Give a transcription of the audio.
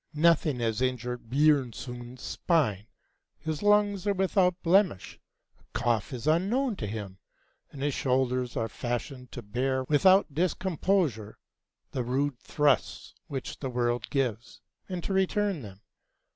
Nothing has injured Björnson's spine; his lungs are without blemish; a cough is unknown to him; and his shoulders were fashioned to bear without discomposure the rude thrusts which the world gives, and to return them.